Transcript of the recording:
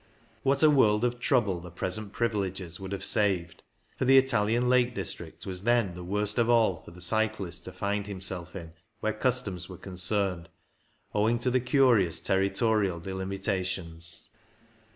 What a world of trouble the present privileges would have saved, for the Italian Lake District was then the worst of all for the cyclist to find himself in, where Customs were concerned, owing to the curious territorial delimitations.